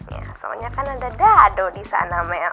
ya soalnya kan ada dado di sana